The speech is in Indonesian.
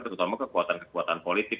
terutama kekuatan kekuatan politik